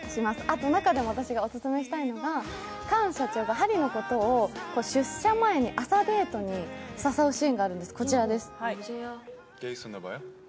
あと中でも私がオススメしたいのが、カン社長がハリのことを出社前に朝デートに誘うシーンがあるんです。